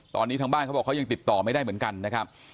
ตอนนี้ทางบ้านเขาบอกเขายังติดต่อไม่ได้เหมือนกันนะครับ